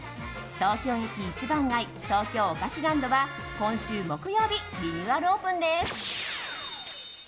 東京おかしランドは今週木曜日リニューアルオープンです。